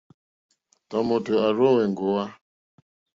Tɔ̀mòtò à rzóŋwí èŋɡòwá.